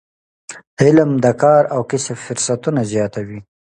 علم د کار او کسب فرصتونه زیاتوي.